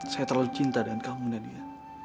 saya terlalu cinta dengan kamu nadia